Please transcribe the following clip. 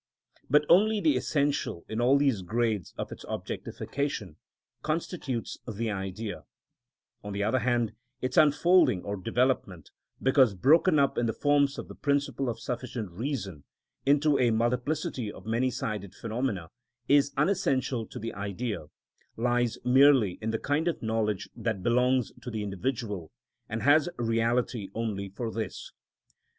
But only the essential in all these grades of its objectification constitutes the Idea; on the other hand, its unfolding or development, because broken up in the forms of the principle of sufficient reason into a multiplicity of many sided phenomena, is unessential to the Idea, lies merely in the kind of knowledge that belongs to the individual and has reality only for this.